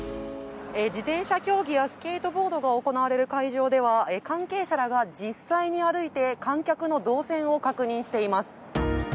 自転車競技やスケートボードが行われる会場では関係者らが実際に歩いて観客の動線を確認しています。